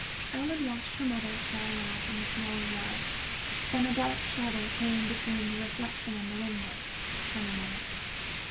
Ellen watched her mother sewing out in the snowy yard, then a dark shadow came between the reflection and the window, then another.